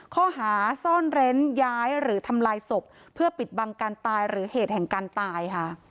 ข้อหาซ่อนเร้นย้ายหรือทำลายศพเพื่อปิดบังการตายหรือเหตุแห่งการตายค่ะ